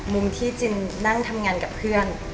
มุมที่จินนั่งทำงานกับเพื่อน